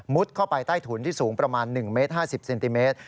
เข้าไปใต้ถุนที่สูงประมาณ๑เมตร๕๐เซนติเมตร